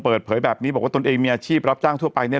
เปิดเผยแบบนี้บอกว่าตนเองมีอาชีพรับจ้างทั่วไปเนี่ย